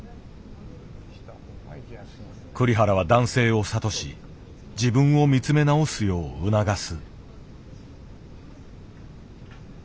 栗原は男性を諭し自分を見つめ直すよう促す。